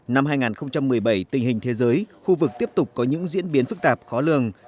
năm hai nghìn một mươi bảy tình hình thế giới khu vực tiếp tục có những diễn biến phức tạp khó lường